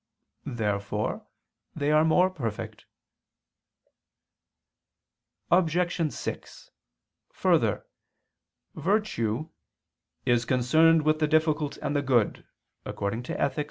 Therefore they are more perfect. Obj. 6: Further, virtue "is concerned with the difficult and the good" (Ethic.